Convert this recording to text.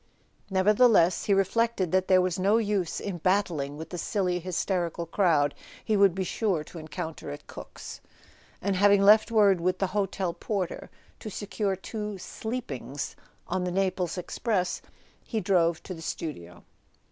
Nevertheless, he reflected that there was no use in battling with the silly hysterical crowd he would be sure to encounter at Cook's; and having left word with the hotel porter to secure two "sleepings" on the Naples express, he drove to the studio.